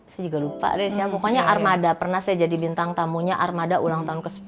saya juga lupa deh ya pokoknya armada pernah saya jadi bintang tamunya armada ulang tahun ke sepuluh